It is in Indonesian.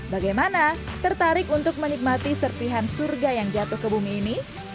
bagaimana tertarik untuk menikmati serpihan surga yang jatuh ke bumi ini